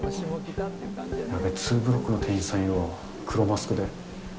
ツーブロックの店員さんいるわ、黒マスクで。